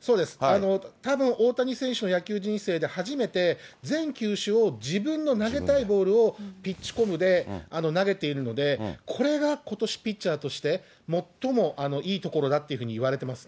そうです、たぶん大谷選手の野球人生で初めて、全球種を、自分の投げたいボールをピッチコムで投げているので、これがことしピッチャーとして、もっともいいところだというふうにいわれてますね。